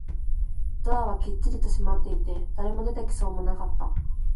ドアはきっちりと閉まっていて、誰も出てきそうもなかった